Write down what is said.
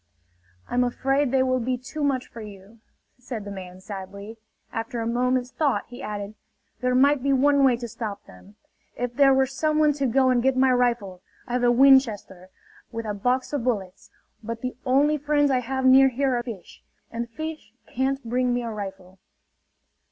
"I'm afraid they will be too much for you," said the man sadly. After a moment's thought he added: "There might be one way to stop them. If there were someone to go and get my rifle ... I have a Winchester, with a box of bullets ... but the only friends I have near here are fish ... and fish can't bring me a rifle!"